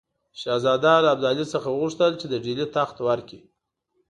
شهزاده له ابدالي څخه وغوښتل چې د ډهلي تخت ورکړي.